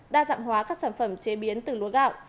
đa dạng hóa các sản phẩm chế biến từ lúa gạo